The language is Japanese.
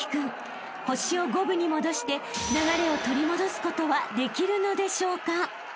［星を五分に戻して流れを取り戻すことはできるのでしょうか？］